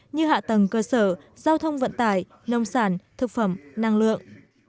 như hạ tầng cơ sở giao thông vận tải nông sản thực phẩm năng lượng